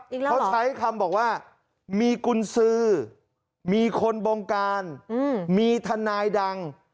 อีกแล้วเหรอเขาใช้คำบอกว่ามีกุญสือมีคนบองการมีทนายดัง